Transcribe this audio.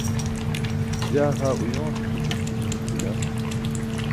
jaa ha uyoon hakićan cum uyum bila